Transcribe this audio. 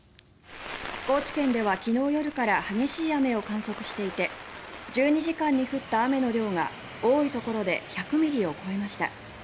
高知県では昨日夜から激しい雨を観測していて１２時間に降った雨の量が多いところで１００ミリを超えました。